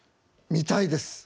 見たいです。